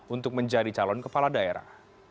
untuk menjadi calon kepala daerah